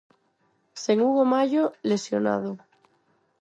Sen Hugo Mallo, lesionado.